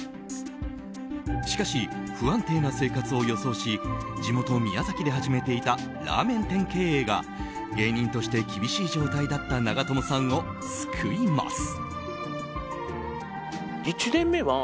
しかし、不安定な生活を予想し地元・宮崎で始めていたラーメン店経営が芸人として厳しい状態だった長友さんを救います。